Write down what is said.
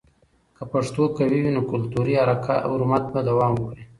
که پښتو قوي وي، نو کلتوري حرمت به دوام وکړي.